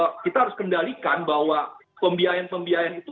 kita harus kendalikan bahwa pembiayaan pembiayaan itu